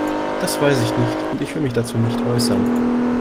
Das weiß ich nicht, und ich will mich dazu nicht äußern.